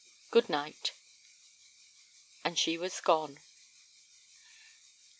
Good night." And she was gone.